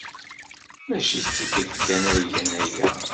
Maci tikkelt kan ay gan aya.